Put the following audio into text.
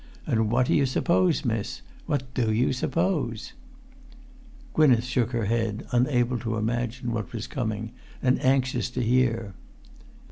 And what do you suppose, miss? What do you suppose?" Gwynneth shook her head, unable to imagine what was coming, and anxious to hear.